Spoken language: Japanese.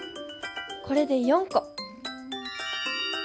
これで４コ。